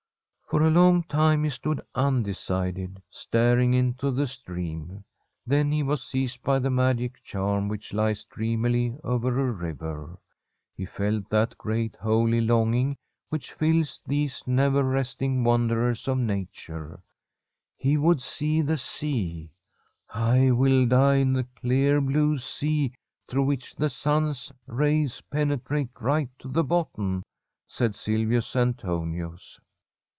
|'\)r a l«>nf; time he stood undecided, staring into the stream. Then he was seized by the magic vliaiin which lies dreamily over a river. He felt thai Kreat, holy longing which fills these never iTHtliiK wanderers of nature ; he would see the sea. ' I will «lie in the clear blue sea, through which llir MUn'N rays jtenetrate right to the bottom/ said Silviuii Anlonins.